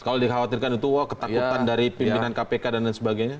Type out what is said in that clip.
kalau dikhawatirkan itu ketakutan dari pimpinan kpk dan lain sebagainya